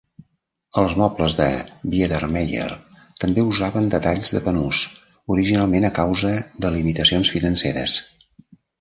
Els mobles de Biedermeier també usaven detalls de banús, originalment a causa de limitacions financeres.